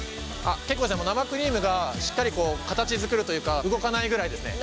結構生クリームがしっかり形づくるというか動かないぐらいですね。